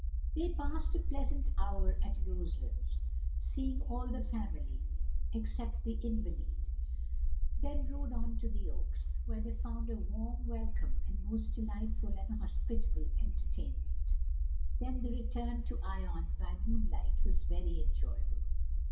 They passed a pleasant hour at Roselands, seeing all the family except the invalid, then rode on to the Oaks, where they found a warm welcome and most delightful and hospitable entertainment. Then the return to Ion by moonlight was very enjoyable.